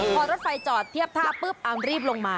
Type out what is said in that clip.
พอรถไฟจอดเทียบท่าปุ๊บอามรีบลงมา